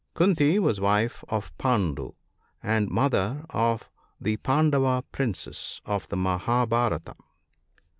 — Kunti was wife of Pandu, and mother of the Panda va princes of the Mahabharata.